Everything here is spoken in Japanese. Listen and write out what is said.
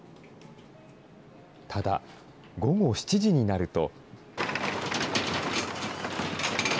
ただ、午後７時になると。